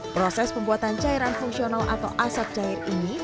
proses pembuatan cairan fungsional atau asap cair ini